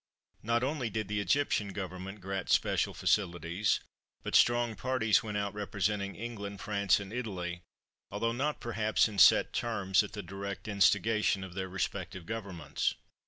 Not only did the Egyptian Government grant special facilities, but strong parties went out representing England, France, and Italy, although not perhaps in set terms at the direct instigation of their respective Governments.